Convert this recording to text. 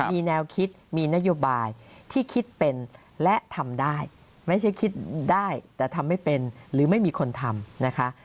มีแนวคิดมีนโยบายที่คิดเป็นและทำได้ไม่ใช่คิดได้แต่ทำไม่เป็นหรือไม่มีคนทำนะคะ